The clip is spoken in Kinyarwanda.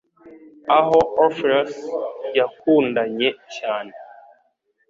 aho Orpheus yakundanye cyane